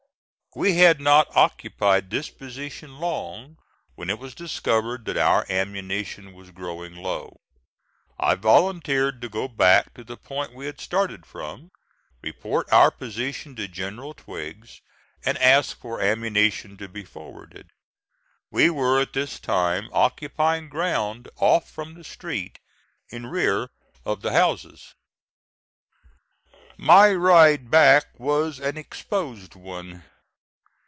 We had not occupied this position long when it was discovered that our ammunition was growing low. I volunteered to go back (*2) to the point we had started from, report our position to General Twiggs, and ask for ammunition to be forwarded. We were at this time occupying ground off from the street, in rear of the houses. My ride back was an exposed one.